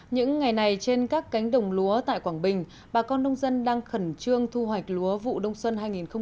những ngày này trên các cánh đồng lúa tại quảng bình bà con nông dân đang khẩn trương thu hoạch lúa vụ đông xuân hai nghìn một mươi hai nghìn hai mươi